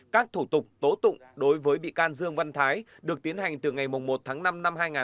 các thủ tục tố tụng đối với bị can dương văn thái được tiến hành từ ngày một tháng năm năm hai nghìn hai mươi